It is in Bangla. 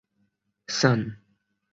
sun